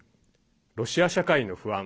ロシア社会の不安